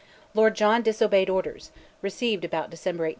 Lord John disobeyed orders (received about December 18).